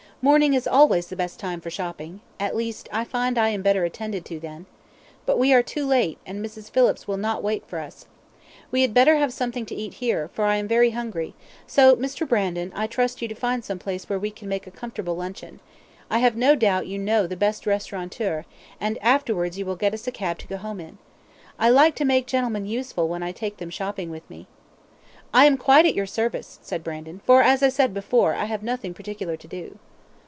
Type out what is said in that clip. Morning is always the best time for shopping at least, I find I am better attended to then. But we are too late, and Mrs. Phillips will not wait for us. We had better have something to eat here, for I am very hungry so, Mr. Brandon, I trust you to find some place where we can make a comfortable luncheon; I have no doubt you know the best restaurateur, and afterwards you will get us a cab to go home in. I like to make gentlemen useful when I take them shopping with me." "I am quite at your service," said Brandon, "for, as I said before, I have nothing particular to do."